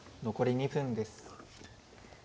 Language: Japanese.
残り２分です。